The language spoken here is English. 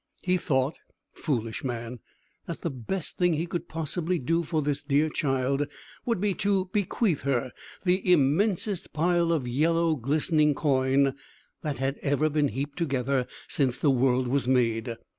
He thought, foolish man! that the best thing he could possibly do for this dear child would be to bequeath her the immensest pile of yellow, glistening coin, that had ever been heaped together since the world was made.